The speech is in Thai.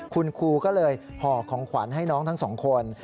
คุณครูก็เลยห่อของขวัญให้น้องทั้งสองคน